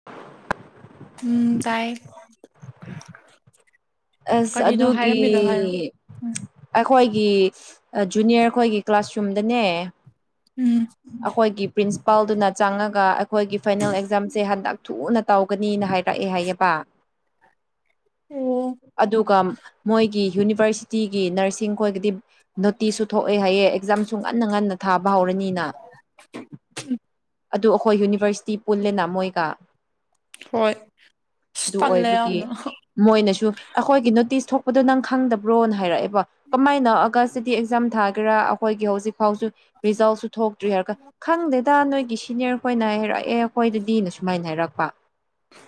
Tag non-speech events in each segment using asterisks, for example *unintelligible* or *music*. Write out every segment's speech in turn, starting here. *unintelligible* ꯎꯝ ꯇꯥꯏ ꯑꯁ ꯀꯔꯤꯅꯣ ꯑꯗꯨꯒꯤ ꯍꯥꯏꯔꯝꯃꯤꯗꯣ ꯍꯥꯏꯔꯣ ꯎꯝ ꯑꯩꯈꯣꯏꯒꯤ ꯖꯨꯅꯤꯌꯔ ꯑꯩꯈꯣꯏꯒꯤ ꯀ꯭ꯂꯥꯁꯔꯨꯝꯗꯅꯦ ꯎꯝ ꯑꯩꯈꯣꯏꯒꯤ ꯄ꯭ꯔꯤꯟꯁꯤꯄꯥꯜꯗꯨꯅ ꯆꯪꯉꯒ ꯑꯩꯈꯣꯏꯒꯤ ꯐꯥꯏꯅꯦꯜ ꯑꯦꯛꯖꯥꯝꯁꯦ ꯍꯟꯗꯛ ꯊꯨꯅ ꯇꯧꯒꯅꯤꯅ ꯍꯥꯏꯔꯛꯑꯦ ꯍꯥꯏꯌꯦꯕ ꯎꯝ ꯑꯗꯨꯒ ꯃꯣꯏꯒꯤ ꯌꯨꯅꯤꯚꯔꯁꯤꯇꯤꯒꯤ ꯅꯔꯁꯤꯡ ꯈꯣꯏꯒꯗꯤ ꯅꯣꯇꯤꯁꯁꯨ ꯊꯣꯛꯑꯦ ꯍꯥꯏꯌꯦ ꯑꯦꯛꯖꯥꯝꯁꯨ ꯉꯟꯅ ꯉꯟꯅ ꯊꯥꯕ ꯍꯧꯔꯅꯤꯅ ꯑꯗꯨ ꯑꯩꯈꯣꯏ ꯌꯨꯅꯤꯚꯔꯁꯤꯇꯤ ꯄꯨꯜꯂꯦꯅ ꯃꯣꯏꯒ ꯍꯣꯏ ꯑꯁ ꯑꯗꯨ ꯇꯜꯂꯦ ꯑꯣꯏꯕꯒꯤ ꯌꯥꯝꯅ ꯃꯣꯏꯅꯁꯨ ꯑꯩꯈꯣꯏꯒꯤ ꯅꯣꯇꯤꯁ ꯊꯣꯛꯄꯗꯣ ꯅꯪ ꯈꯪꯗꯕ꯭ꯔꯣꯅ ꯍꯥꯏꯔꯛꯑꯦꯕ ꯀꯃꯥꯏꯅ ꯑꯒꯁꯤꯗꯤ ꯑꯦꯛꯖꯥꯝ ꯊꯥꯒꯦꯔꯥ ꯑꯩꯈꯣꯏꯒꯤ ꯍꯧꯖꯤꯛ ꯐꯥꯎꯁꯨ ꯔꯤꯖꯜꯁꯨ ꯊꯣꯛꯇ꯭ꯔꯤ ꯍꯥꯏꯔꯒ ꯈꯪꯗꯦꯗ ꯅꯣꯏꯒꯤ ꯁꯤꯅꯤꯌꯔ ꯈꯣꯏꯅ ꯍꯥꯏꯔꯛꯑꯦ ꯑꯩꯈꯣꯏꯗꯗꯤꯅ ꯁꯨꯃꯥꯏꯅ ꯍꯥꯏꯔꯛꯄ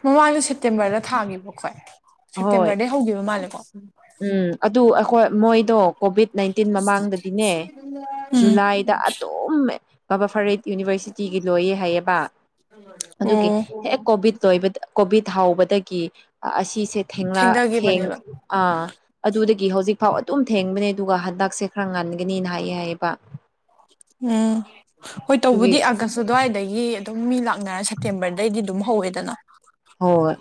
ꯃꯃꯥꯡꯖꯨ ꯁꯦꯞꯇꯦꯝꯕꯔꯗ ꯊꯥꯈꯤꯕ ꯑꯈꫭꯏ ꯍꯣꯏ ꯁꯦꯞꯇꯦꯝꯕꯔꯗꯩ ꯍꯧꯈꯤꯕ ꯃꯥꯜꯂꯦꯀꯣ ꯎꯝ ꯑꯗꯨ ꯑꯩꯈꯣꯏ ꯃꯣꯏꯗꯣ ꯀꯣꯚꯤꯠ ꯅꯥꯏꯟꯇꯤꯟ ꯃꯃꯥꯡꯗꯗꯤꯅꯦ ꯎꯝ ꯖꯨꯂꯥꯏꯗ ꯑꯗꯨꯝ ꯕ *unintelligible* ꯐꯔꯩ ꯌꯨꯅꯤꯚꯔꯁꯤꯇꯤꯒꯤ ꯂꯣꯏꯌꯦ ꯍꯥꯏꯌꯦꯕ ꯑꯗꯨꯒꯤ ꯑꯣ ꯍꯦꯛ ꯀꯣꯚꯤꯠ ꯂꯣꯏꯕꯗ ꯀꯣꯚꯤꯠ ꯍꯥꯎꯕꯗꯒꯤ ꯑꯁꯤꯁꯦ ꯊꯦꯡꯅ ꯊꯦꯡ ꯊꯦꯡꯊꯈꯤꯕꯅꯦꯕ ꯑꯥ ꯑꯗꯨꯗꯒꯤ ꯍꯧꯖꯤꯛ ꯐꯥꯎ ꯑꯗꯨꯝ ꯊꯦꯡꯕꯅꯦ ꯑꯗꯨꯒ ꯍꯟꯗꯛꯁꯦ ꯈꯔ ꯉꯟꯒꯅꯤꯅ ꯍꯥꯏꯌꯦ ꯍꯥꯏꯌꯦꯕ ꯎꯝ ꯍꯣꯏ ꯑꯗꯨꯒꯤ ꯇꯧꯕꯗꯤ ꯑꯥꯒꯁ ꯑꯗꯨꯋꯥꯏꯗꯒꯤ ꯑꯗꯨꯝ ꯃꯤ ꯂꯥꯛꯅꯔ ꯁꯦꯞꯇꯦꯝꯕꯔꯗꯩꯗꯤ ꯑꯗꯨꯝ ꯍꯧꯋꯦꯗꯅ ꯍꫭꯏ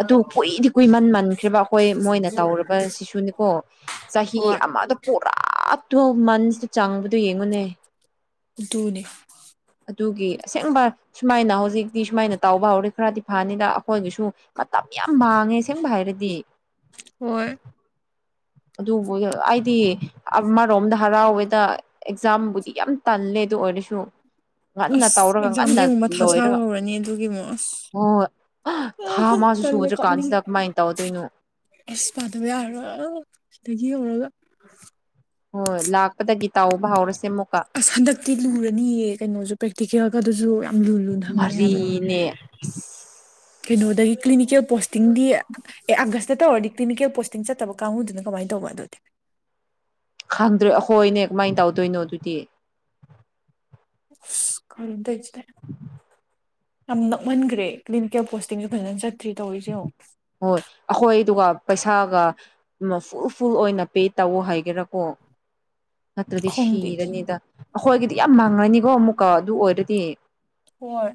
ꯑꯗꯨ ꯀꯨꯏꯗꯤ ꯀꯨꯏꯃꯟ ꯃꯟꯈ꯭ꯔꯦꯔꯤꯕ ꯑꯩꯈꯣꯏ ꯃꯣꯏꯅ ꯇꯧꯔꯕ ꯁꯤꯁꯨꯅꯤꯀꯣ ꯆꯍꯤ ꯍꯣꯏ ꯑꯃꯗꯨ ꯄꯨꯔꯥ ꯇꯨ ꯃꯟꯁꯇ ꯆꯪꯕꯗ ꯌꯦꯡꯉꯨꯅꯦ ꯑꯗꯨꯅ‌ꯦ ꯑꯗꯨꯒꯤ ꯑꯁꯦꯡꯕ ꯁꯨꯃꯥꯏꯅ ꯍꯧꯖꯤꯛꯇꯤ ꯁꯨꯃꯥꯏꯅ ꯇꯧꯕꯕ ꯍꯧꯔꯦ ꯈꯔꯗꯤ ꯐꯅꯤꯗ ꯑꯩꯈꯣꯏꯒꯤꯁꯨ ꯃꯇꯝ ꯌꯥꯝ ꯃꯥꯡꯉꯦ ꯑꯁ‌ꯦꯡꯕ ꯍꯥꯏꯔꯗꯤ ꯍꯣꯏ ꯑꯗꯨꯕꯨ ꯑꯩꯗꯤ ꯑꯃꯔꯣꯝꯗ ꯍꯔꯥꯎꯋꯦꯗ ꯑꯦꯛꯖꯥꯝꯕꯨꯗꯤ ꯌꯥꯝ ꯇꯜꯂꯦ ꯑꯗꯨ ꯑꯣꯏꯔꯁꯨ ꯉꯟꯅ ꯑꯁ ꯇꯧꯔꯒ ꯉꯟꯅ ꯑꯦꯛꯖꯥꯝꯒꯤ ꯑꯃꯨꯛ ꯃꯊꯥ ꯁꯥꯕ ꯂꯣꯏꯔꯒ ꯍꯧꯔꯅꯤ ꯑꯗꯨꯒꯤ ꯑꯃꯨꯛ ꯑꯁ ꯍꯣꯏ ꯊꯥ ꯑ ꯃꯁꯨ ꯇꯜꯂꯦ ꯁꯨꯗ꯭ꯔꯀꯥꯟꯁꯤꯗ ꯀꯃꯥꯏꯅ ꯇꯧꯗꯣꯏꯅꯣ ꯑꯩꯁ ꯄꯥꯗꯕ ꯌꯥꯔꯔꯣꯏ ꯁꯤꯗꯒꯤ ꯍꯧꯧꯔꯒ ꯍꯣꯏ ꯂꯥꯛꯄꯗꯒꯤ ꯇꯥꯎꯕ ꯍꯧꯔꯁꯦ ꯑꯃꯨꯛ ꯑꯁ ꯍꯟꯗꯛꯇꯤ ꯂꯨꯔꯅꯤꯌꯦ ꯀꯩꯅꯣꯁꯨ ꯄ ꯇꯤꯀꯦꯒ ꯑꯗꯨꯁꯨ ꯌꯥꯝ ꯂꯨ ꯂꯨꯅ ꯊꯝꯅꯤ ꯍꯥꯏꯕꯅꯤ ꯃꯔꯤꯅꯦ ꯀꯩꯅꯣꯗꯒꯤ ꯀ꯭ꯂꯤꯅꯤꯀꯦꯜ ꯄꯣꯁꯇꯤꯡꯗꯤ ꯑꯦ ꯑꯥꯒꯁꯇ ꯇꯧꯔꯗꯤ ꯀ꯭ꯂꯤꯅꯤꯀꯦꯜ ꯄꯣꯁꯇꯤꯡ ꯆꯠꯇꯕ ꯀꯥꯡꯕꯨꯗꯨꯅ ꯀꯃꯥꯏꯅ ꯇꯧꯕ ꯑꯗꯨꯗꯤ ꯈꯪꯗ꯭ꯔꯦ ꯑꯩꯈꯣꯏꯅꯦ ꯀꯃꯥꯏꯅ ꯇꯧꯗꯣꯏꯅꯣ ꯑꯗꯨꯗꯤ ꯈꯗꯗ ꯌꯥꯝ ꯅꯛꯃꯟꯈ꯭ꯔꯦ ꯀ꯭ꯂꯤꯅꯤꯀꯦꯜ ꯄꯣꯁꯇꯤꯡꯁꯨ ꯐꯖꯅ ꯆꯠꯇ꯭ꯔꯤ ꯇꯧꯔꯤꯁ ꯑꯣ ꯍꯣꯏ ꯑꯩꯈꯣꯏꯗꯨꯒ ꯄꯩꯁꯥꯒ ꯐꯨꯜ ꯐꯨꯜ ꯑꯣꯏꯅ ꯄꯦꯠ ꯇꯧꯑꯣ ꯍꯥꯏꯒꯦꯔꯥꯀꯣ ꯅꯠꯇ꯭ꯔꯗꯤ ꯈꯣꯡꯗꯦ ꯁꯤꯔꯅꯤꯗ ꯑꯩꯈꯣꯏꯒꯤꯗꯤ ꯌꯥꯝ ꯃꯥꯡꯉꯅꯤꯀꯣ ꯑꯃꯨꯛꯀ ꯑꯗꯨ ꯑꯣꯏꯔꯗꯤ ꯀꯣꯔ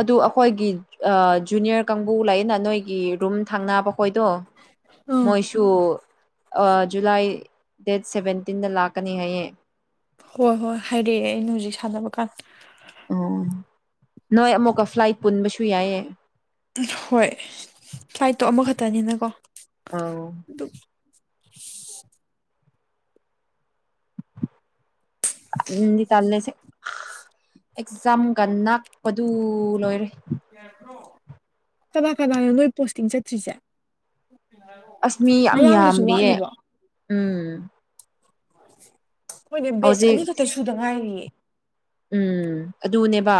ꯑꯗꯨ ꯑꯩꯈꯣꯏꯒꯤ ꯑꯥ ꯖꯨꯅꯤꯌꯔ ꯀꯥꯡꯕꯨ ꯂꯩꯌꯦꯅ ꯅꯣꯏꯒꯤ ꯔꯨꯝ ꯊꯡꯅꯕ ꯑꯩ ꯍꯈꯣꯏꯗꯣ ꯑꯪ ꯃꯣꯏꯁꯨ ꯖꯨꯂꯥꯏ ꯗꯦꯠ ꯁꯦꯚꯦꯟꯇꯤꯟꯗ ꯂꯥꯛꯀꯅꯤ ꯍꯥꯏꯌꯦ ꯍꯣꯏ ꯍꯣꯏ ꯍꯥꯏꯔꯛꯑꯦ ꯑꯩꯅ ꯍꯧꯖꯤꯛ ꯁꯥꯟꯅꯕ ꯀꯥꯟꯗ ꯑꯣ ꯅꯣꯏ ꯑꯃꯨꯛꯀ ꯐ꯭ꯂꯥꯏꯠ ꯄꯨꯟꯕꯁꯨ ꯌꯥꯏꯑ ꯍꯣꯏ ꯐ꯭ꯂꯥꯏꯠꯇꯣ ꯑꯃꯈꯛꯇꯅꯤꯅ ꯀꯣ ꯑꯥꯎ ꯇꯟꯗꯤ ꯇꯜꯂꯦ ꯁꯦ ꯈꯥ ꯑꯦꯛꯖꯥꯝꯒ ꯅꯛꯄꯗꯨ ꯂꯣꯏꯔꯦ ꯀꯅꯥ ꯀꯅꯥꯅꯣ ꯅꯣꯏ ꯄꯣꯁꯇꯤꯡ ꯆꯠꯇ꯭ꯔꯤꯁꯦ ꯑꯁ ꯃꯤ ꯌꯥꯝ ꯃꯌꯥꯝꯗꯁꯨ ꯌꯥꯝꯔꯤꯌꯦ ꯋꯥꯠꯂꯤꯕ ꯎꯝ ꯃꯣꯏꯅꯦ ꯕꯦꯆ ꯍꯧꯖꯤꯛ ꯑꯅꯤꯈꯛꯇ ꯁꯨꯗ ꯉꯥꯏꯔꯤꯌꯦ ꯎꯝ ꯑꯗꯨꯅꯦꯕ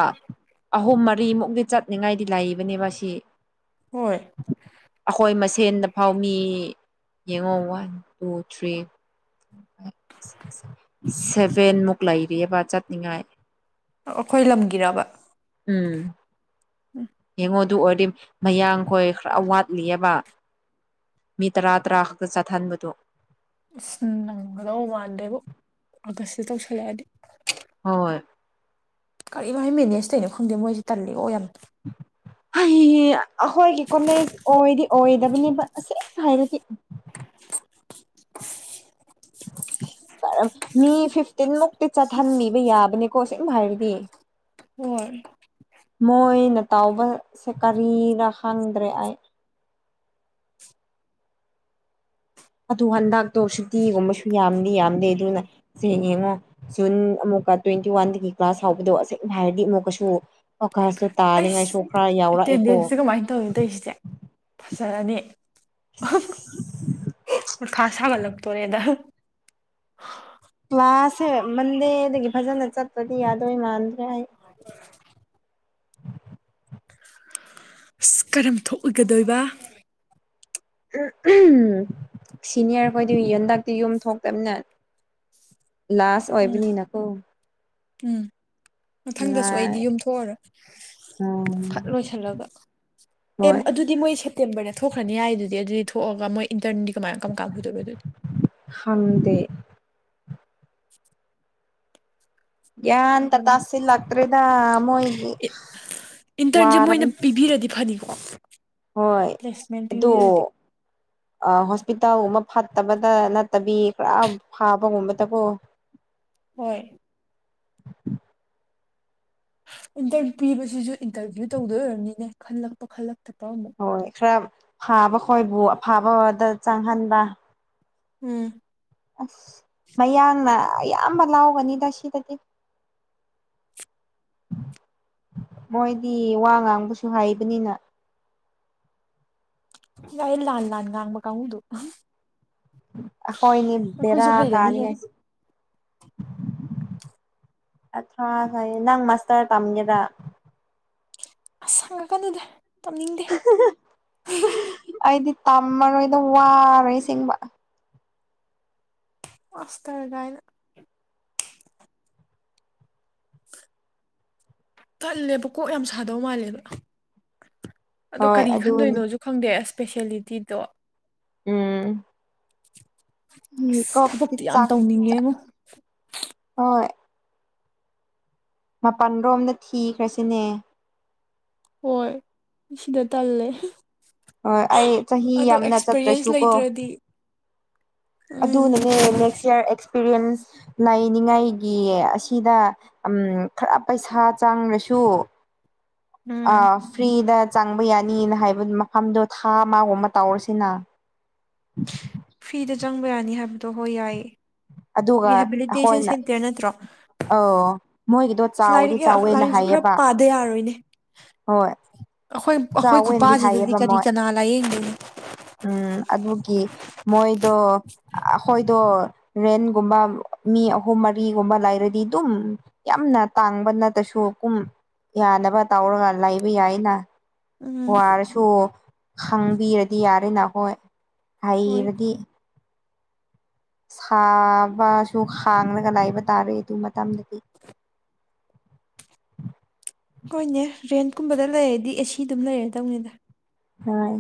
ꯑꯍꯨꯝ ꯃꯔꯤꯃꯨꯛꯗꯤ ꯆꯠꯅꯤꯡꯉꯥꯏꯗꯤ ꯂꯥꯛꯏꯕꯅꯦꯕ ꯁꯤ ꯍꯣꯏ ꯑꯩꯈꯣꯏ ꯃꯁꯦꯟꯗ ꯐꯥꯎ ꯃꯤ ꯌꯦꯡꯉꯣ ꯋꯥꯟ ꯇꯨ ꯊ꯭ꯔꯤ ꯁꯚꯦꯟꯃꯨꯛ ꯂꯩꯔꯤꯑꯕ ꯆꯠꯅꯤꯡꯉꯥꯏ ꯑꯩꯈꯣꯏ ꯂꯝꯒꯤꯔꯕ ꯎꯝ ꯎꯝ ꯌꯦꯡꯉꯣꯗꯨ ꯑꯣꯏꯔꯗꯤ ꯃꯌꯥꯡꯈꯣꯏ ꯈꯔ ꯋꯥꯠꯂꯤꯑꯕ ꯃꯤ ꯇꯔꯥ ꯇꯔꯥ ꯈꯛꯇ ꯆꯠꯊꯍꯟꯕꯗꯣ ꯎꯁ ꯅꯪꯒꯗꯧꯕ ꯃꯥꯟꯗꯦꯕꯨ ꯑꯥꯒꯁꯁꯤꯦ ꯇꯧꯁꯜꯂꯛꯑꯗꯤ ꯍꯣꯏ ꯀꯔꯤꯝ ꯍꯥꯏ ꯃꯦꯅꯦꯖ ꯇꯩꯅꯅꯣ ꯈꯪꯗꯦ ꯃꯣꯏꯁꯦ ꯇꯜꯂꯤꯀꯣ ꯌꯥꯝꯅ ꯎꯝ ꯍ ꯑꯩꯈꯣꯏꯒꯤ ꯀꯣꯂꯦꯖ ꯑꯣꯏꯗꯤ ꯑꯣꯏꯗꯕꯅꯦꯕ ꯑꯁꯦꯡꯅ ꯍꯥꯏꯔꯗꯤ ꯀꯔ ꯃꯤ ꯐꯤꯐꯇꯤꯟꯃꯛꯇꯤ ꯆꯠꯍꯟꯕꯤꯕ ꯌꯥꯕꯅꯦꯀꯣ ꯁꯨꯝ ꯍꯥꯏꯔꯗꯤ ꯍꯣꯏ ꯃꯣꯏꯅ ꯇꯥꯎꯕꯁꯦ ꯀꯔꯤꯔ ꯈꯪꯗ꯭ꯔꯦ ꯑꯩ ꯑꯗꯨ ꯍꯟꯗꯥꯛꯇꯣ ꯁꯨꯇꯤꯒꯨꯝꯕꯁꯨ ꯌꯥꯝꯗꯤ ꯌꯥꯝꯗꯦ ꯑꯗꯨꯅ ꯁꯦ ꯌꯦꯡꯉꯣ ꯖꯨꯟ ꯑꯃꯨꯛꯀ ꯇ꯭ꯋꯦꯟꯇꯤ ꯋꯥꯟꯗꯒꯤ ꯀ꯭ꯂꯥꯁ ꯍꯥꯎꯕꯗꯣ ꯑꯁ ꯍꯥꯏꯔꯗꯤ ꯑꯃꯨꯛꯀꯁꯨ ꯑꯣꯀꯇ ꯇꯥꯅꯤꯡꯉꯥꯏꯁꯨ ꯈꯔ ꯌꯥꯎꯔꯛꯑꯦꯀꯣ ꯀꯩꯅꯣ ꯇꯧꯏꯁꯤꯗꯦ ꯐꯖꯔꯅꯤ ꯃꯊꯥ ꯁꯥꯒꯠꯂꯛꯇꯣꯔꯦꯗ ꯀ꯭ꯂꯥꯁꯁꯦ ꯃꯟꯗꯦꯗꯒꯤ ꯐꯖꯅ ꯆꯠꯇ꯭ꯔꯗꯤ ꯌꯥꯗ꯭ꯔꯦ ꯃꯥꯟꯗ꯭ꯔꯦ ꯑꯩ *unintelligible* ꯏꯁ ꯀꯔꯝ ꯊꯣꯛꯑꯒꯗꯣꯏꯕ ꯁꯤꯅꯤꯌꯔ ꯈꯣꯏꯗꯤ ꯌꯦꯟꯗꯛꯇꯤ ꯌꯨꯝ ꯊꯣꯛꯇꯝꯅꯤꯅ ꯂꯥꯁ ꯎꯝ ꯑꯣꯏꯕꯅꯤꯅꯀꯣ ꯎꯝ ꯃꯊꯪꯗꯁꯨ ꯅꯨꯡꯉꯥꯏ ꯑꯩꯗꯤ ꯌꯨꯝ ꯊꯣꯛꯑꯔꯣꯏ ꯎꯝ ꯐꯠ ꯂꯣꯏꯁꯤꯜꯂꯒ ꯑꯦꯝ ꯍꯣꯏ ꯑꯗꯨꯗꯤ ꯃꯣꯏ ꯁꯦꯝ ꯇꯦꯝꯕꯔꯗ ꯊꯣꯛꯈ꯭ꯔꯅꯤ ꯍꯥꯏꯗꯨꯗꯤ ꯑꯗꯨꯗꯤ ꯊꯣꯛꯑꯒ ꯃꯣꯏ ꯏꯟꯇꯔ꯭ꯟꯗꯤ ꯀꯃꯥꯏ ꯀꯔꯝꯀꯥꯟ ꯍꯧꯗꯣꯏꯕ ꯑꯗꯨꯗꯤ ꯈꯪꯗꯦ *inaudible* ꯒ꯭ꯌꯥꯟꯒ ꯇꯥꯁꯤꯜꯂꯛꯇ꯭ꯔꯦꯗ ꯃꯣꯏꯒꯤ ꯌꯥꯔꯕꯅꯦ ꯄꯤꯔꯗꯤ ꯐꯅꯤꯀꯣ ꯍꯣꯏ ꯄ꯭ꯂꯦꯁꯃꯦꯟ ꯑꯗꯣ ꯄꯤꯕꯤꯔꯗꯤ ꯑ ꯍꯣꯁꯄꯤꯇꯥꯜꯒꯨꯝꯕ ꯐꯠꯇꯕꯗ ꯅꯠꯇꯕꯤ ꯈꯔꯥ ꯐꯕꯒꯨꯝꯕꯗꯀꯣ ꯍꯣꯏ ꯏꯟꯇꯔ ꯄꯤꯕꯁꯤꯁꯨ ꯏꯟꯇꯔꯚ꯭ꯌꯨ ꯇꯧꯗꯣꯏ ꯑꯣꯏꯔꯝꯅꯤꯅꯦ ꯈꯜꯂꯛꯄ ꯈꯜꯂꯛꯇꯕ꯭ꯔ ꯑꯃꯨꯛ ꯍꯣꯏ ꯈꯔ ꯐꯥꯕ ꯈꯣꯏꯕꯨ ꯑꯐꯕꯗ ꯆꯪꯍꯟꯕ ꯎꯝ ꯑꯁ ꯃꯌꯥꯡꯅ ꯑꯌꯥꯝꯕ ꯂꯧꯒꯅꯤꯗ ꯁꯤꯗꯗꯤ ꯃꯣꯏꯗꯤ ꯋꯥ ꯉꯥꯡꯕꯁꯨ ꯍꯩꯕꯅꯤꯅ ꯌꯥꯎꯋꯦ ꯂꯥꯟ ꯂꯥꯟ ꯉꯥꯡꯕ ꯀꯥꯡꯒꯨꯗꯨ ꯑꯈꯣꯏꯅꯤ ꯕꯦꯔꯥ ꯑꯩꯈꯣꯏꯁꯨ ꯀꯥꯅꯤ ꯍꯩꯔꯅꯤꯍꯦ ꯉꯁꯤ ꯑꯊ꯭ꯔꯥꯐꯥꯎ ꯅꯪ ꯃꯥꯁꯇꯔ ꯇꯝꯒꯦꯔꯥ ꯑꯁ ꯍꯪꯉꯀꯥꯟꯅꯗꯦ ꯇꯝꯅꯤꯡꯗꯦ ꯑꯩꯗꯤ ꯇꯝꯃꯔꯣꯏꯗ ꯋꯥꯔꯦ ꯑꯁꯦꯡꯕ ꯑꯁ ꯇꯧꯕꯥꯏꯅ ꯇꯜꯂꯦꯕ ꯀꯣꯛ ꯌꯥꯝ ꯁꯥꯗꯧ ꯃꯥꯜꯂꯦꯕ ꯑꯗꯣ ꯍꯣꯏ ꯀꯔꯤ ꯑꯗꯨꯅꯤ ꯈꯟꯗꯣꯏꯅꯣꯖꯨ ꯈꯪꯗꯦ ꯑꯦꯁꯄꯦꯁ꯭ꯌꯦꯂꯤꯇꯤꯗꯣ ꯎꯝ ꯎꯝ ꯀꯣꯛꯇꯤ ꯊꯕꯛꯇꯤ ꯌꯥꯝ ꯇꯧꯅꯤꯡꯉꯦꯉꯣ ꯆꯥꯛꯄꯖꯥꯠꯅꯦ ꯍꯣꯏ ꯃꯄꯥꯟꯔꯣꯝꯗ ꯊꯤꯈ꯭ꯔꯁꯤꯅꯦ ꯍꯣꯏ ꯁꯤꯗ ꯇꯜꯂꯦ ꯍꯣꯏ ꯑꯩ ꯆꯍꯤ ꯑꯗꯣ ꯌꯥꯝꯅ ꯑꯦꯛꯁꯄꯦꯔꯤꯌꯦꯟꯁ ꯆꯠꯇ꯭ꯔꯁꯨꯀꯣ ꯂꯩꯇ꯭ꯔꯗꯤ ꯎꯝ ꯑꯗꯨꯅꯅꯦ ꯅꯦꯛꯁ ꯌꯤꯑꯔ ꯑꯦꯛꯁꯄꯦꯔꯤꯌꯦꯟꯁ ꯂꯩꯅꯤꯉꯥꯏꯒꯤ ꯑꯁꯤꯗ ꯎꯝ ꯈꯔ ꯄꯩꯁꯥ ꯆꯪꯔꯁꯨ ꯑ ꯎꯝ ꯐ꯭ꯔꯤꯗ ꯆꯪꯕ ꯌꯥꯅꯤꯅ ꯍꯥꯏꯕ ꯃꯐꯝꯗꯣ ꯊꯥ ꯑꯃꯒꯨꯝꯕ ꯇꯧꯔꯁꯤꯅ ꯐ꯭ꯔꯤꯗ ꯆꯪꯕ ꯌꯥꯅꯤ ꯍꯥꯏꯕꯗꯣ ꯍꯣꯏ ꯌꯥꯏꯌꯦ ꯑꯗꯨꯒ ꯔꯤꯍꯦꯕꯤꯂꯤꯇꯦꯁꯟ ꯑꯩꯈꯣꯏꯅ ꯁꯦꯟꯇꯔ ꯅꯠꯇ꯭ꯔꯣ ꯑ ꯃꯣꯏꯒꯤꯗꯣ ꯑꯁ ꯆꯥꯎꯗꯤ ꯂꯥꯏꯔꯤꯛ ꯌꯥ ꯆꯥꯎꯋꯦꯅ ꯂꯥꯏꯔꯤꯛꯁꯨ ꯈꯔ ꯍꯥꯏꯌꯦꯕ ꯄꯥꯗ ꯌꯥꯔꯣꯏꯅꯦ ꯍꯣꯏ ꯑꯈꯣꯏ ꯑꯈꯣꯏ ꯆꯥꯎꯋꯦꯅꯗꯤ ꯈꯨꯄꯥꯁꯤꯗꯗꯤ ꯍꯥꯏꯌꯦꯕ ꯀꯔꯤ ꯃꯣꯏ ꯀꯅꯥ ꯂꯥꯏꯌꯦꯡꯗꯣꯏꯅꯣ ꯎꯝ ꯑꯗꯨꯒꯤ ꯃꯣꯏꯗꯣ ꯑꯈꯣꯏꯗꯣ ꯔꯦꯟꯒꯨꯝꯕ ꯃꯤ ꯑꯍꯨꯝ ꯃꯔꯤꯒꯨꯝꯕ ꯂꯩꯔꯗꯤ ꯑꯗꯨꯝ ꯌꯥꯝꯅ ꯇꯥꯡꯕ ꯅꯠꯇ꯭ꯔꯁꯨ ꯀꯨꯝ ꯌꯥꯅꯕ ꯇꯧꯔꯒ ꯂꯩꯥꯕ ꯌꯥꯏꯅ ꯎꯝ ꯋꯥꯔꯁꯨ ꯈꯪꯕꯤꯔꯗꯤ ꯌꯥꯔꯦꯅ ꯈꯣꯏ ꯍꯣꯏ ꯍꯩꯔꯗꯤ ꯁꯥꯕꯁꯨ ꯈꯥꯡꯂꯒ ꯂꯩꯕ ꯇꯥꯔꯦ ꯑꯗꯨ ꯃꯇꯝꯗꯗꯤ ꯀꯣꯏꯅꯦ ꯔꯦꯟꯠꯀꯨꯝꯕꯗ ꯂꯩꯔꯗꯤ ꯑꯦꯁꯤ ꯑꯗꯨꯝ ꯂꯩꯔꯗꯧꯅꯤꯗ ꯍꯣꯏ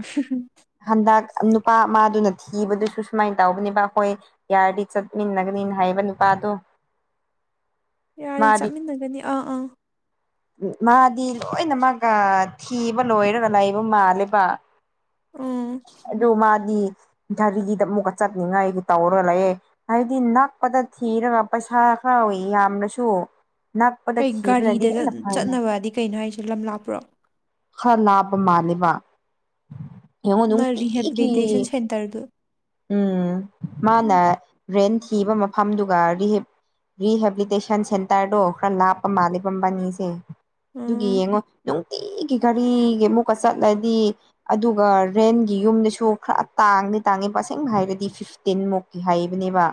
ꯍꯟꯗꯛ ꯅꯨꯄꯥ ꯑꯃꯗꯨꯅ ꯊꯤꯕꯗꯨꯁꯨ ꯁꯨꯃꯥꯏ ꯇꯧꯕꯅꯦꯕ ꯑꯈꯣꯏ ꯌꯥꯔꯗꯤ ꯆꯠꯃꯤꯟꯅꯒꯅꯤꯅ ꯍꯥꯏꯕ ꯅꯨꯄꯥꯗꯣ ꯌꯥꯔꯗꯤ ꯃꯥꯗꯤ ꯆꯠꯃꯤꯟꯅꯒꯅꯤ ꯑꯥ ꯑꯥ ꯃꯥꯗꯤ ꯂꯣꯏꯅ ꯃꯥꯒ ꯊꯤꯕ ꯂꯣꯏꯔꯒ ꯂꯩꯕ ꯃꯥꯜꯂꯦꯕ ꯑꯣ ꯑꯗꯨ ꯃꯥꯗꯤ ꯙꯔꯤꯒꯤꯗ ꯑꯃꯨꯛꯀ ꯆꯠꯅꯤꯡꯉꯥꯏꯒꯤ ꯇꯧꯔ ꯂꯩꯌꯦ *unintelligible* ꯅꯅꯥꯄꯗ ꯀꯩ ꯊꯤꯕ ꯒꯥꯔꯤꯗ ꯂꯩꯒꯦ ꯆꯠ- ꯆꯠꯅꯕꯗꯤ ꯀꯩꯅꯣ ꯍꯥꯏꯁꯦ ꯂꯝ ꯂꯥꯞꯄ꯭ꯔꯣ ꯈꯔ ꯂꯥꯞꯄ ꯃꯥꯜꯂꯦꯕ ꯌꯦꯡꯉꯣ ꯅ ꯅꯨꯡꯇꯤꯒꯤ ꯔꯤꯍꯦꯕꯤꯂꯤꯇꯦꯁꯟ ꯁꯦꯟꯇꯔꯗꯨ ꯎꯝ ꯃꯥꯅ ꯎꯝ ꯔꯦꯟ ꯊꯤꯕ ꯃꯐꯝꯗꯨꯒ ꯔꯤꯍꯤꯞ ꯔꯤꯍꯦꯕꯤꯂꯤꯇꯦꯁꯟ ꯁꯦꯟꯇꯔꯗꯣ ꯈꯔ ꯂꯥꯞꯄ ꯃꯥꯜꯂꯤꯕ ꯃꯕꯥꯟꯅꯤꯒꯤꯁꯦ ꯁꯦ ꯑꯗꯨꯒꯤ ꯎꯝ ꯌꯦꯡꯉꯣ ꯅꯨꯡꯇꯤꯒꯤ ꯒꯥꯔꯤꯒꯤ ꯑꯃꯨꯛꯀ ꯆꯠꯂꯗꯤ ꯑꯗꯨꯒ ꯔꯦꯟꯒꯤ ꯌꯨꯝꯗꯨꯁꯨ ꯈꯔ ꯇꯥꯡꯗꯤ ꯇꯥꯡꯉꯦꯕ ꯑꯁꯦꯡꯕ ꯍꯥꯏꯔꯗꯤ ꯐꯤꯐꯇꯤꯟꯃꯨꯛ ꯇꯤ ꯍꯥꯏꯕꯅꯦꯕ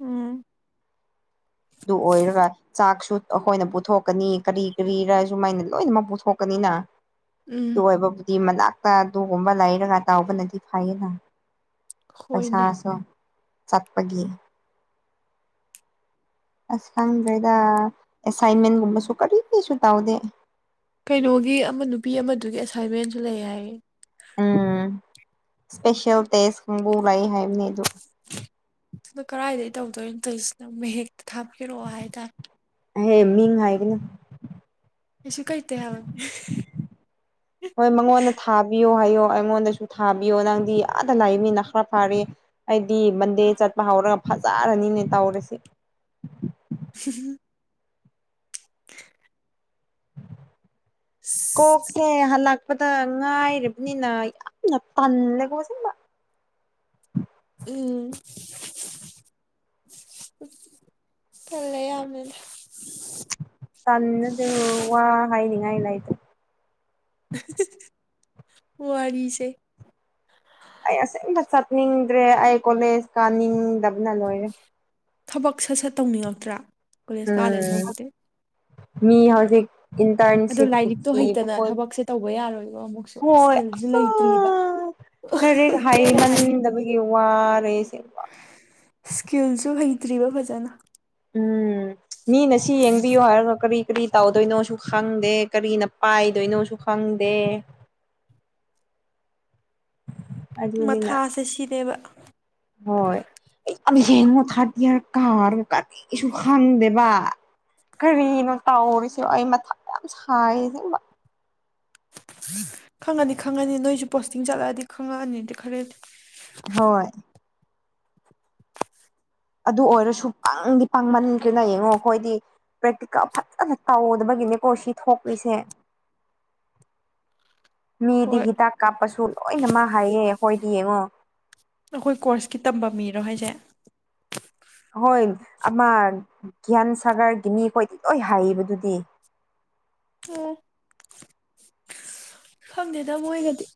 ꯎꯝ ꯗꯨ ꯑꯣꯏꯔꯒ ꯆꯥꯛꯁꯨ ꯑꯈꯣꯏꯅ ꯄꯨꯊꯣꯛꯀꯅꯤ ꯀꯔꯤ ꯀꯔꯤꯔ ꯁꯨꯃꯥꯏꯅ ꯂꯣꯏꯅꯃꯛ ꯄꯨꯊꯣꯛꯀꯅꯤꯅ ꯑꯗꯨ ꯎꯝ ꯑꯣꯏꯕꯕꯨꯗꯤ ꯃꯅꯥꯛ ꯄ ꯑꯗꯨꯒꯒꯨꯝꯕ ꯂꯩꯔꯒ ꯇꯥꯎꯕꯅꯗꯤ ꯐꯩꯌꯦꯅ ꯍꯣꯏꯅꯦ ꯄꯩꯁꯥꯁꯨ ꯆꯠꯄꯒꯤ ꯑꯁ ꯈꯪꯗ꯭ꯔꯦꯗ ꯑꯦꯁꯥꯏꯟꯃꯦꯟꯒꯨꯝꯕꯁꯨ ꯀꯔꯤꯁꯨ ꯇꯧꯗꯦ ꯀꯩꯅꯣꯒꯤ ꯑꯃ ꯅꯨꯄꯤ ꯑꯃꯗꯨꯒꯤ ꯑꯦꯁꯥꯏꯟꯃꯦꯟꯁꯨ ꯂꯩ ꯍꯥꯏꯌꯦ ꯎꯝ ꯁ꯭ꯄꯦꯁꯦꯜ ꯇꯦꯁ ꯀꯥꯡꯕꯨ ꯂꯩ ꯍꯥꯏꯕꯅꯦ ꯑꯗꯨ ꯑꯣ ꯀꯔꯥꯏꯗꯩꯩ ꯇꯧꯗꯣꯏꯅꯣ ꯇꯧꯋꯤꯁꯤꯅ ꯃꯍꯦꯛꯇ ꯊꯥꯕꯤꯔꯛꯑꯣ ꯍꯥꯏꯇꯥꯔꯦ ꯍꯦ ꯃꯤꯡ ꯍꯥꯏꯒꯅꯨ ꯀꯩꯁꯨ ꯀꯥꯏꯗꯦ ꯍꯥꯏꯕ *unintelligible* ꯍꯣꯏ ꯃꯉꯣꯟꯗ ꯊꯥꯕꯤꯌꯣ ꯍꯥꯏꯌꯣ ꯑꯩꯉꯣꯟꯗꯁꯨ ꯊꯥꯕꯤꯌꯣ ꯅꯪꯗꯤ ꯑꯥꯗ ꯂꯩꯕꯅꯤꯅ ꯈꯔ ꯐꯥꯔꯤ ꯍꯥꯏꯗꯤ ꯃꯟꯗꯦ ꯆꯠꯄ ꯍꯧꯔꯒ ꯐꯖꯔꯅꯤꯅꯦ ꯇꯧꯔꯤꯁꯤ *unintelligible* ꯀꯣꯛꯁꯦ ꯍꯜꯂꯛꯄꯗ ꯉꯥꯏꯔꯤꯕꯅꯤꯅ ꯌꯥꯝꯅ ꯇꯜꯂꯦꯀꯣ ꯑꯁꯦꯡꯕ ꯎꯝ *unintelligible* ꯇꯜꯂꯦ ꯌꯥꯝꯅ ꯇꯟꯕꯗꯣ ꯋꯥ ꯍꯥꯏꯅꯤꯡꯉꯥꯏ ꯂꯩꯥꯇꯦ *unintelligible* ꯋꯥꯔꯤꯁꯦ ꯑꯩ ꯑꯁꯦꯡꯕ ꯆꯠꯅꯤꯡꯗ꯭ꯔꯦ ꯑꯩ ꯀꯣꯂꯦꯖ ꯀꯥꯅꯤꯡꯗꯕꯅ ꯂꯣꯏꯔꯦ ꯊꯕꯛ ꯁꯠ ꯁꯠ ꯇꯧꯅꯤꯡꯉꯛꯇ꯭ꯔꯥ ꯀꯣꯂꯦꯖ ꯀꯥꯗꯣꯏ ꯎꯝ ꯁꯔꯨꯛꯄꯨꯗꯤ ꯃꯤ ꯍꯧꯖꯤꯛ ꯑꯗꯣ ꯏꯟꯇꯔꯟꯁꯤꯞꯀꯤ ꯂꯥꯏꯔꯤꯛꯇꯣ ꯊꯤꯕ ꯍꯩꯇꯅ ꯍꯣꯏ ꯊꯕꯛꯁꯦ ꯇꯧꯕ ꯌꯥꯔꯣꯏꯕ ꯑꯃꯨꯛꯁꯨ ꯍꯣꯏ ꯏꯁꯀꯤꯜꯁꯨ ꯑꯍꯥ ꯂꯩꯇ꯭ꯔꯤꯕ ꯂꯥꯏꯔꯤꯛ ꯍꯩꯃꯟꯗꯕꯒꯤ ꯋꯥꯔꯦ ꯑꯩꯁꯦ ꯁ꯭ꯀꯤꯜꯖꯨ ꯍꯩꯇ꯭ꯔꯤꯕ ꯐꯖꯟꯅ ꯎꯝ ꯃꯤꯅ ꯁꯤ ꯌꯦꯡꯕꯤꯌꯨ ꯍꯥꯏꯔꯒ ꯀꯔꯤ ꯀꯔꯤ ꯇꯧꯗꯣꯏꯅꯣꯁꯨ ꯈꯪꯗꯦ ꯀꯔꯤꯅ ꯄꯥꯏꯗꯣꯏꯅꯣꯁꯨ ꯈꯪꯗꯦ *unintelligible* ꯃꯊꯥꯁꯦ ꯁꯤꯅꯦꯕ ꯍꯣꯏ ꯑꯩ ꯑꯝ ꯌꯦꯡꯉꯣ ꯊꯥꯔꯗ ꯌꯤꯑꯔ ꯀꯥꯔꯒ ꯀꯔꯤꯁꯨ ꯈꯪꯗꯦꯕ ꯀꯔꯤꯅꯣ ꯇꯧꯔꯤꯁꯤ ꯑꯩ ꯃꯊꯥ ꯌꯥꯝ ꯁꯥꯏꯌꯦ ꯑꯁꯦꯡꯕ ꯈꯪꯉꯅꯤ ꯈꯪꯉꯅꯤ ꯅꯣꯏꯁꯨ ꯄꯣꯁꯇꯤꯡ ꯆꯠꯂꯛꯑꯗꯤ ꯈꯪꯉꯛꯑꯅꯤꯗ ꯈꯔꯗꯤ ꯍꯣꯏ ꯑꯗꯨ ꯑꯣꯏꯔꯁꯨ ꯄꯪꯗꯤ ꯄꯪꯃꯟꯈ꯭ꯔꯦꯅ ꯌꯦꯡꯉꯣ ꯑꯩꯈꯣꯏꯗꯤ ꯄ꯭ꯔꯦꯛꯇꯤꯀꯜ ꯐꯖꯟꯅ ꯇꯧꯗꯕꯒꯤꯅꯦꯀꯣ ꯁꯤ ꯊꯣꯛꯂꯤꯁꯦ ꯃꯤꯗꯤ ꯍꯣꯏ ꯍꯤꯗꯥꯛ ꯀꯥꯞꯄꯁꯨ ꯂꯣꯏꯅꯃꯛ ꯍꯩꯌꯦ ꯍꯣꯏꯗꯤ ꯌꯦꯡꯉꯣ ꯑꯈꯣꯏ ꯀꯣꯔꯁꯀꯤ ꯇꯝꯕ ꯃꯤꯔꯣ ꯍꯥꯏꯁꯦ ꯍꯣꯏ ꯑꯃ ꯒ꯭ꯌꯥꯟ ꯁꯥꯒꯔꯒꯤ ꯃꯤꯈꯣꯏꯗꯤ ꯂꯣꯏ ꯍꯩꯕꯗꯨꯗꯤ ꯎꯝ ꯈꯪꯗꯦꯗ ꯃꯣꯏꯒꯗꯤ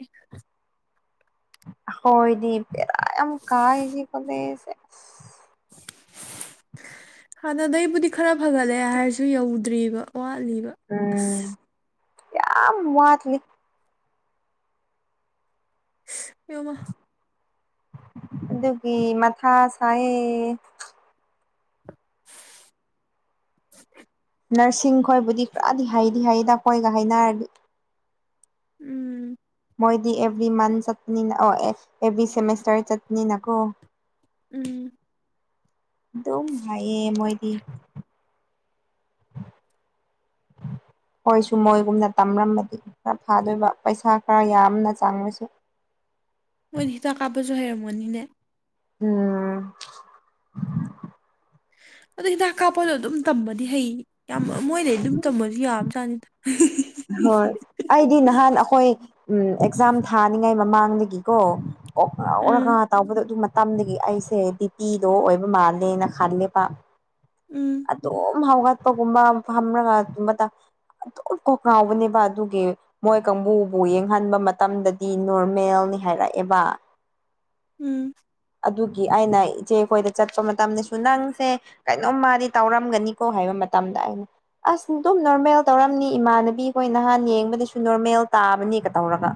ꯍꯣꯏꯅꯦ ꯚꯦꯔ ꯌꯥꯝ ꯀꯥꯏꯌꯦ ꯁꯤ ꯀꯣꯂꯦꯖꯁꯦ ꯑꯁ *inaudible* ꯍꯥꯟꯅꯗꯩꯕꯨꯗꯤ ꯈꯔ ꯐꯒꯠꯂꯦ ꯍꯥꯏꯔꯁꯨ ꯌꯧꯗ꯭ꯔꯤꯕ ꯋꯥꯠꯂꯤꯕ ꯑꯝ ꯑꯁ ꯌꯥꯝ ꯋꯥꯠꯂꯤ ꯑꯥꯌꯣ ꯢꯃꯥ ꯑꯗꯨꯒꯤ ꯃꯊꯥ ꯁꯥꯢꯑꯦ *unintelligible* ꯅꯔꯁꯤꯡ ꯈꯣꯏꯕꯨꯗꯤ ꯄꯨꯔꯗꯤ ꯍꯩꯗꯤ ꯍꯩꯗ ꯈꯣꯢꯒ ꯍꯥꯏꯅꯔꯗꯤ ꯎꯝ ꯃꯣꯏꯗꯤ ꯑꯦꯕ꯭ꯔꯤ ꯃꯟ ꯆꯠꯅꯄꯅꯤꯅ ꯑꯦꯕ꯭ꯔꯤ ꯁꯦꯃꯤꯁꯇꯔ ꯆꯠꯄꯅꯤꯅꯀꯣ ꯎꯝ ꯑꯗꯨꯝ ꯍꯥꯏꯌꯦ ꯃꯣꯏꯗꯤ ꯈꯣꯏꯁꯨ ꯃꯣꯏꯒꯨꯝꯅ ꯇꯝꯂꯝꯕꯗꯤ ꯈꯔ ꯐꯥꯗꯧꯕ ꯄꯩꯁꯥ ꯈꯔ ꯌꯥꯝꯅ ꯆꯪꯉꯁꯨ ꯃꯣꯏꯗꯤ ꯍꯤꯗꯥꯛ ꯀꯥꯞꯄꯁꯨ ꯍꯩꯔꯝꯅꯤꯅꯦ ꯎꯝ ꯑꯗꯣ ꯍꯤꯗꯥꯛ ꯀꯥꯞꯄꯗꯣ ꯑꯗꯨꯝ ꯇꯝꯃꯗꯤ ꯍꯩ ꯌꯥꯝ ꯃꯣꯏꯗꯩ ꯑꯗꯨꯝ ꯇꯝꯃꯁꯨ ꯌꯥꯕ ꯖꯠꯅꯤꯗ ꯍꯣꯏ ꯑꯩꯗꯤ ꯅꯍꯥꯟ ꯑꯩꯈꯣꯏ ꯎꯝ ꯑꯦꯛꯖꯥꯝ ꯊꯥꯅꯤꯉꯥꯏ ꯃꯃꯥꯡꯗꯒꯤꯀꯣ ꯀꯣꯛ ꯎꯝ ꯉꯥꯎꯔꯒ ꯑꯃꯥ ꯇꯥꯎꯕꯗꯣ ꯑꯗꯨ ꯃꯇꯝꯗꯒꯤ ꯑꯩꯁꯦ ꯕꯤꯄꯤ ꯂꯣ ꯑꯣꯏꯕ ꯃꯥꯜꯂꯦꯅ ꯈꯜꯂꯦꯕ ꯎꯝ ꯑꯗꯨꯝ ꯍꯧꯒꯠꯄꯒꯨꯝꯕ ꯐꯝꯔꯒ ꯑꯗꯨꯗ ꯑꯗꯨꯝ ꯀꯣꯛ ꯉꯥꯎꯕꯅꯦꯕ ꯑꯗꯨꯒꯤ ꯃꯣꯏ ꯀꯥꯡꯕꯨꯕꯨ ꯌꯦꯡꯍꯟꯕ ꯃꯇꯝꯗꯗꯤ ꯅꯣꯔꯃꯦꯜꯅꯤ ꯍꯥꯏꯔꯛꯑꯦꯕ ꯎꯝ ꯑꯗꯨꯒꯤ ꯑꯩꯅ ꯏꯆꯦꯈꯣꯏꯗ ꯆꯠꯄ ꯃꯇꯝꯗꯁꯨ ꯅꯪꯁꯦ ꯀꯩꯅꯣꯝ ꯃꯥꯗꯤ ꯇꯧꯔꯝꯒꯅꯤꯀꯣ ꯍꯥꯏꯕ ꯃꯇꯝꯗ ꯑꯩꯅ ꯑꯁ ꯑꯗꯨꯝ ꯅꯣꯔꯃꯦꯜ ꯇꯧꯔꯝꯅꯤ ꯏꯃꯥꯟꯅꯕꯤ ꯍꯣꯏ ꯅꯍꯥꯟ ꯌꯦꯡꯕꯗꯁꯨ ꯅꯣꯔꯃꯦꯜ ꯇꯥꯕꯅꯦꯒ ꯇꯧꯔꯒ